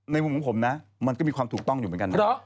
มุมของผมนะมันก็มีความถูกต้องอยู่เหมือนกันนะ